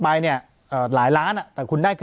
ปากกับภาคภูมิ